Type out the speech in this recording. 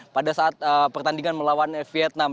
pada saat pertandingan melawan vietnam